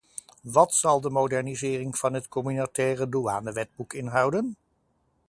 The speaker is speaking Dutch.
Wat zal de modernisering van de het communautaire douanewetboek inhouden?